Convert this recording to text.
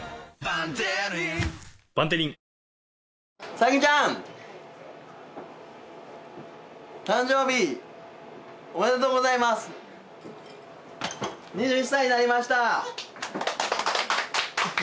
紗妃ちゃん誕生日おめでとうございます２１歳になりました